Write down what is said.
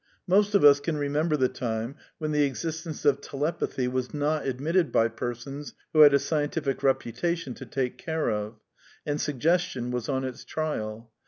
Most of us can remember the time when the existence of telepathy was not admitted by persons who had a scientific reputation to take care of, and " suggestion " was on its trial.